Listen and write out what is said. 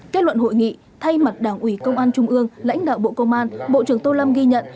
kết luận hội nghị thay mặt đảng ủy công an trung ương lãnh đạo bộ công an bộ trưởng tô lâm ghi nhận